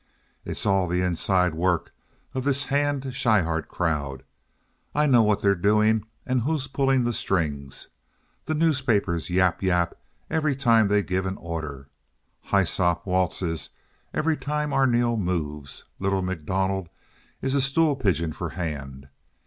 It's all the inside work of this Hand Schryhart crowd. I know what they're doing and who's pulling the strings. The newspapers yap yap every time they give an order. Hyssop waltzes every time Arneel moves. Little MacDonald is a stool pigeon for Hand.